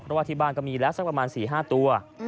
เพราะว่าที่บ้านก็มีแล้วสักประมาณ๔๕ตัว